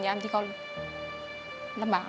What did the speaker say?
ยังที่เค้ารำบากค่ะ